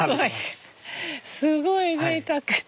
すごいぜいたく。